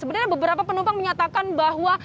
sebenarnya beberapa penumpang menyatakan bahwa